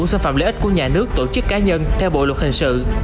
xâm phạm lợi ích của nhà nước tổ chức cá nhân theo bộ luật hình sự